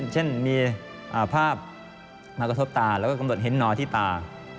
เช่นมีภาพมากระทบตาแล้วก็กำหนดเห็นนอที่ตา